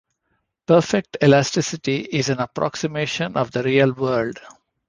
Perfect elasticity is an approximation of the real world.